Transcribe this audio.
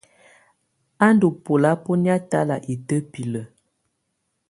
Á ndɔ́ bɛ́lábɔ́nɛ̀á talá itǝ́bilǝ.